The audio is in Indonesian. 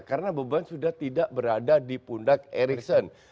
karena beban sudah tidak berada di pundak eriksen